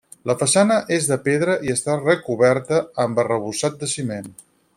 La façana és de pedra i està recoberta amb arrebossat de ciment.